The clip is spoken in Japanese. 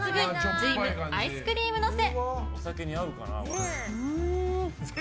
瑞夢アイスクリームのせ。